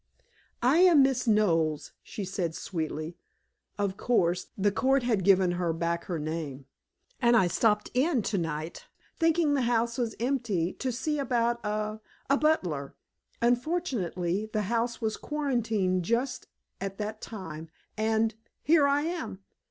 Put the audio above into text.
"I am Miss Knowles," she said sweetly (of course, the court had given her back her name), "and I stopped in tonight, thinking the house was empty, to see about a a butler. Unfortunately, the house was quarantined just at that time, and here I am.